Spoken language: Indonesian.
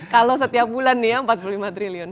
kalau setiap bulan nih ya empat puluh lima triliun